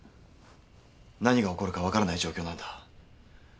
何が起こるか分からない状況なんだ。